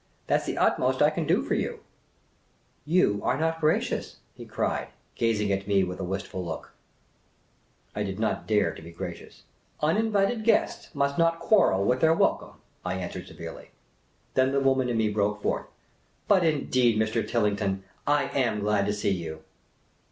That 's the utmost I can do for you." " You are not gracious," he cried, gazing at me with a wistful look. The Impromptu Mountaineer 129 I did not dare to be gracious. " Uninvited guests must not quarrel with their welcome," I answered severely. Then the woman in me broke forth. " But, indeed, Mr. Tillington, I am glad to see j'ou."